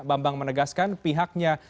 bambang menegaskan pihaknya